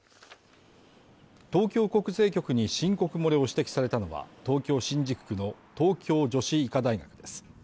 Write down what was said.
東京国税局に申告漏れを指摘されたのは、東京新宿区の東京女子医科大学です。